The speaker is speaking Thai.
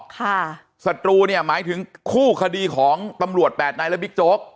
สตรูเนี่ยหมายถึงคู่คดีของตำรวจแปดนายและบิ๊กโจ๊ก